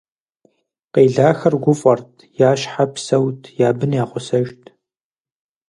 Къелахэр гуфӀэрт, я щхьэ псэут, я бын я гъусэжт.